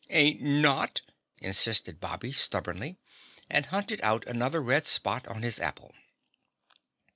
"Ain't not," insisted Bobby stubbornly, and hunted out another red spot on his apple.